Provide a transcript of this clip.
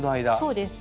そうです。